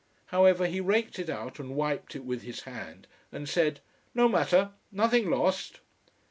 However, he raked it out and wiped it with his hand and said No matter, nothing lost.